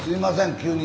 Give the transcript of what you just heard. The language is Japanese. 急に。